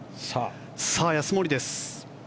さあ、安森です。